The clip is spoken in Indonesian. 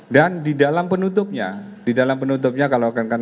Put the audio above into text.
dan di dalam penutupnya di dalam penutupnya kalau akan akan